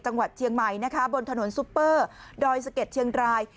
จังหวัดเชียงใหม่นะคะบนถนนซุปเปอร์ดอยสะเก็ดเชียงราย